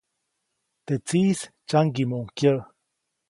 Teʼ tsiʼis tsyaŋgiʼmuʼuŋ kyäʼ.